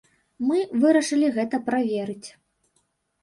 Мы вырашылі гэта праверыць.